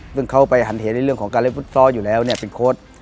เพิ่งเขาก็วางหันเหตุเรื่องของการเรียนฟุตซอร์อยู่แล้วเป็นโค้ต